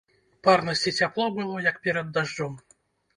Парнасць і цяпло было, як перад дажджом.